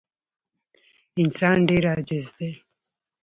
انسان ډېر عاجز دی.